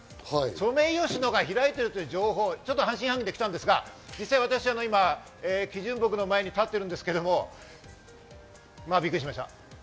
ソメイヨシノが開いているという情報、半信半疑で来たんですが、実際、基準木の前に立っているんですけど、まあびっくりしました。